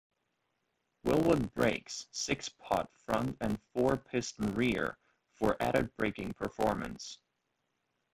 Wilwood brakes - six-pot front and four-piston rear - for added braking performance.